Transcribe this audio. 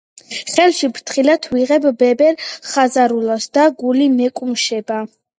ხელში ფრთხილად ვიღებ ბებერ ხაზარულას და გული მეკუმშება.